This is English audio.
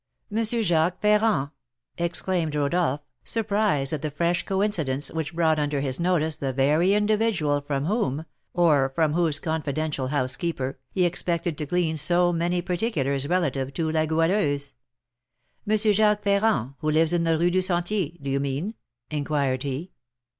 "M. Jacques Ferrand!" exclaimed Rodolph, surprised at the fresh coincidence which brought under his notice the very individual from whom, or from whose confidential housekeeper, he expected to glean so many particulars relative to La Goualeuse. "M. Jacques Ferrand, who lives in the Rue du Sentier, do you mean?" inquired he.